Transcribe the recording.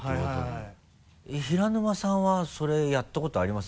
平沼さんはそれやったことあります？